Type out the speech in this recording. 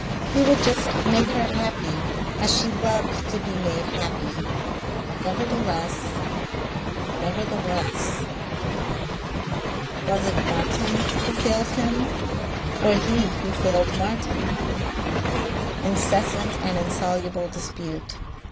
He would just make her happy as she loved to be made happy.... Nevertheless. Nevertheless.... Was it Martin who failed him or he who failed Martin? Incessant and insoluble dispute.